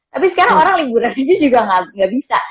tapi sekarang orang liburan aja juga nggak bisa